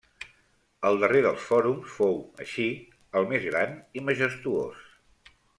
El darrer dels Fòrums fou, així, el més gran i majestuós.